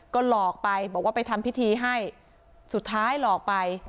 ก็หลอกไปบอกว่าไปทำพิธีให้สุดท้ายหลอกไป